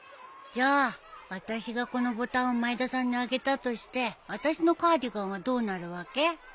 じゃああたしがこのボタンを前田さんにあげたとして私のカーディガンはどうなるわけ？